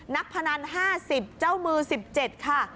พนัน๕๐เจ้ามือ๑๗ค่ะ